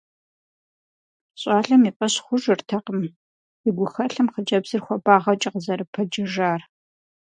Щӏалэм и фӀэщ хъужыртэкъым и гухэлъым хъыджэбзыр хуабагъэкӀэ къызэрыпэджэжар.